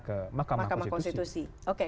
ke makamah konstitusi